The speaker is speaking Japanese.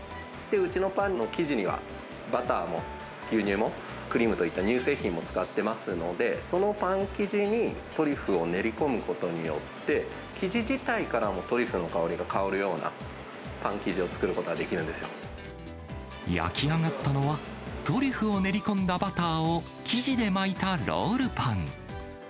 うちのパンの生地には、バターも牛乳も、クリームといった乳製品も使ってますので、そのパン生地にトリュフを練り込むことによって、生地自体からもトリュフの香りが香るようなパン生地を作ることが焼き上がったのは、トリュフを練り込んだバターを生地で巻いたロールパン。